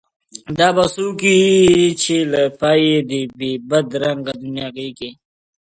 دا به څوک وي چي لا پايي دې بې بد رنګه دنیاګۍ کي